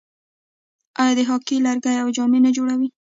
آیا د هاکي لکړې او جامې نه جوړوي؟